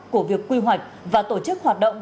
của việc quy hoạch và tổ chức hoạt động